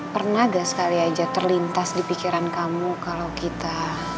pernah gak sekali aja terlintas di pikiran kamu kalau kita